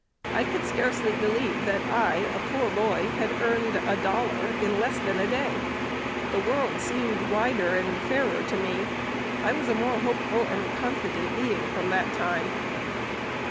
I could scarcely believe that I, a poor boy, had earned a dollar in less than a day. The world seemed wider and fairer to me. I was a more hopeful and confident being from that time.'"